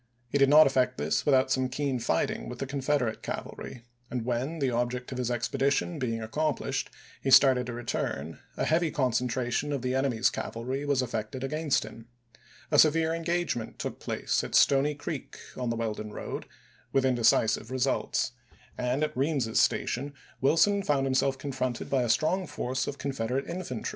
He did not effect this without some keen fighting with the Confederate cavalry, and when, the object of his expedition being accom plished, he started to return, a heavy concentra tion of the enemy's cavalry was effected against him. A severe engagement took place at Stony Creek on the Weldon road, with indecisive results ; and at Reams's Station, Wilson found himself con fronted by a strong force of Confederate infantry 414 ABRAHAM LINCOLN PETEESBUKG 415 416 ABRAHAM LINCOLN PETEKSBUKG 417 Vol.